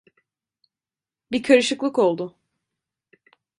Bir karışıklık oldu.